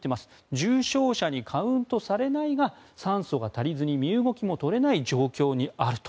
重症者にカウントされないが酸素が足りずに身動きも取れない状況にあると。